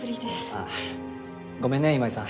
ああごめんね今井さん。